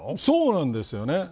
そうなんですよね。